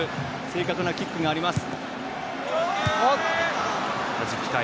正確なキックがあります。